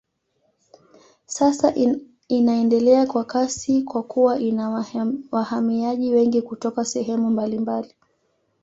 Sasa inaendelea kwa kasi kwa kuwa ina wahamiaji wengi kutoka sehemu mbalimbali.